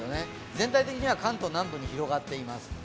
全体的には関東南部に広がっています。